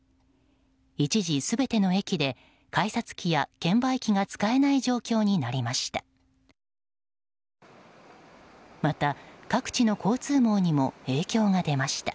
一時、全ての駅で改札機や券売機が使えない状況になりました。